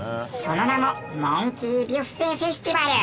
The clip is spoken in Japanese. その名もモンキー・ビュッフェ・フェスティバル。